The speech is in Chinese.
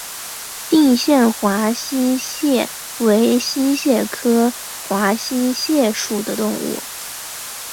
定县华溪蟹为溪蟹科华溪蟹属的动物。